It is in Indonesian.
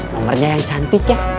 komernya yang cantik ya